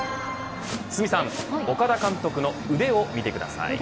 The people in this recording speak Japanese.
岡田監督の腕を見てください。